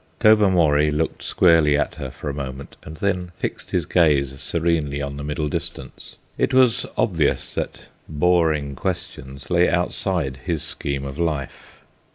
Tobermory looked squarely at her for a moment and then fixed his gaze serenely on the middle distance. It was obvious that boring questions lay outside his scheme of life.